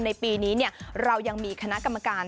ในปีนี้เรายังมีคณะกรรมการ